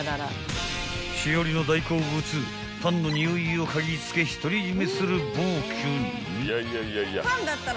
［しおりの大好物パンのにおいを嗅ぎつけ独り占めする暴挙に］